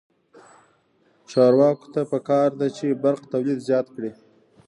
چارواکو ته پکار ده چې، برق تولید زیات کړي.